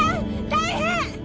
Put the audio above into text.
大変！